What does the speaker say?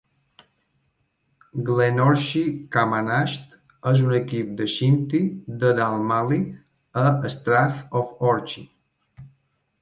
Glenorchy Camanachd és un equip de shinty de Dalmally a Strath of Orchy.